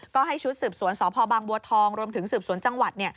ก็ให้ชุดสืบสวนสพบางบัวทองรวมถึงสืบสวนจังหวัด